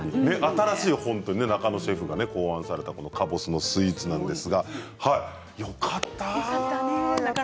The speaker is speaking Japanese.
中野シェフが考案されたかぼすのゼリーなんですがよかった。